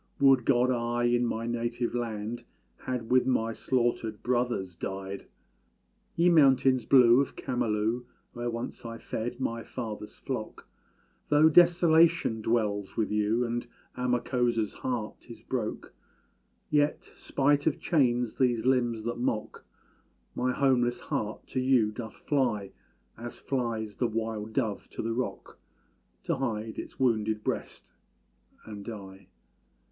Would God I in my native land Had with my slaughtered brothers died! Ye mountains blue of Camalú, Where once I fed my father's flock, Though desolation dwells with you, And Amakósa's heart is broke, Yet, spite of chains these limbs that mock, My homeless heart to you doth fly, As flies the wild dove to the rock, To hide its wounded breast and die!